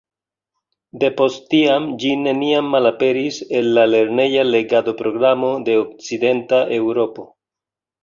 Depost tiam ĝi neniam malaperis el la lerneja legado-programo de okcidenta Eŭropo.